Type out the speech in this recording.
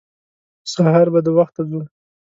سهار به د وخته ځو.